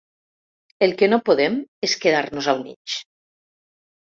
El que no podem és quedar-nos al mig.